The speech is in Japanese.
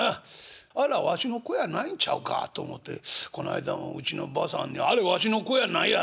あらわしの子やないんちゃうかと思てこの間もうちのばあさんに『あれわしの子やないやろ』